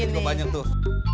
di sini juga banyak tuh